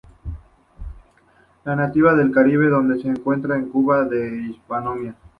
Es nativa del Caribe donde se encuentra en Cuba y la Hispaniola.